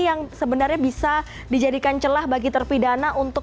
yang sebenarnya bisa dijadikan celah bagi terpidana untuk